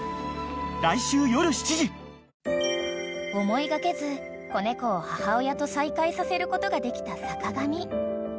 ［思いがけず子猫を母親と再会させることができた坂上］